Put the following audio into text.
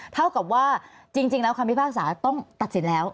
เท่ากับว่าจริงแล้วคำพิพากษาต้องตัดสินแล้ว